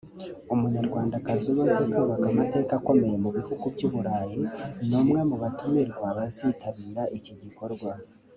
Umunyarwandakazi umaze kubaka amateka akomeye mu bihugu by’u Burayi ni umwe mu batumirwa bazitabira iki gikorwa